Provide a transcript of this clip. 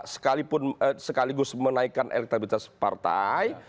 sekaligus menaikkan elektabilitas partai